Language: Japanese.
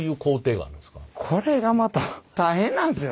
これがまた大変なんですよ。